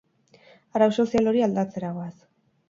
Arau sozial hori aldatzera goaz.